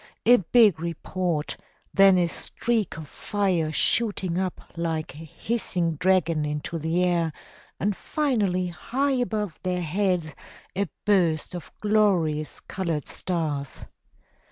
A big report, then a streak of fire shooting up like a hissing dragon into the air and finally high above their heads a burst of glorious colored stars.